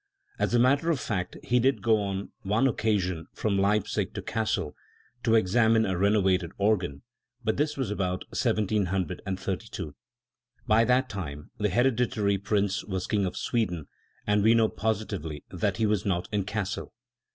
As a matter of fact he did go on one occasion from Leipzig to Cassel to examine a renovated organ; but this was about 1732. By that time the Hereditary Prince was King of Sweden, and we know positively that he was not in Cassel.